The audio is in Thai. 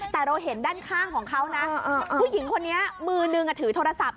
แต่เราเห็นด้านข้างของเขานะผู้หญิงคนนี้มือนึงถือโทรศัพท์